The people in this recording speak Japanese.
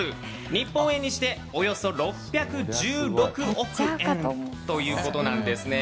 日本円にして、およそ６１６億円ということなんですね。